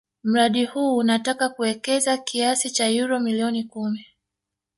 Mradi huu unataka kuwekeza kiasi ya euro milioni kumi